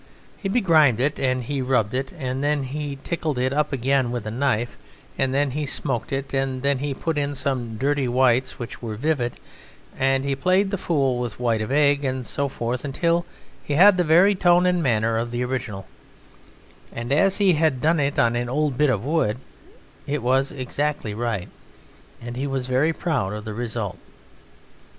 He begrimed it and he rubbed at it, and then he tickled it up again with a knife, and then he smoked it, and then he put in some dirty whites which were vivid, and he played the fool with white of egg, and so forth, until he had the very tone and manner of the original; and as he had done it on an old bit of wood it was exactly right, and he was very proud of the result.